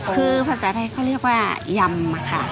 คือภาษาไทยเขาเรียกว่ายำค่ะ